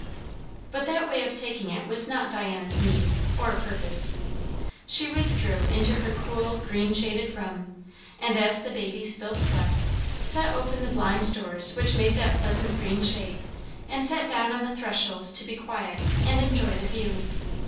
But that way of taking it was not Diana's need, or purpose. She withdrew into her cool green shaded room, and as the baby still slept, set open the blind doors which made that pleasant green shade, and sat down on the threshold to be quiet, and enjoy the view.